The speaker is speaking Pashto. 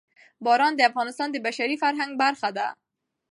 باران د افغانستان د بشري فرهنګ برخه ده.